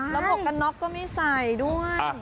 แล้วหมวกกันน็อกก็ไม่ใส่ด้วย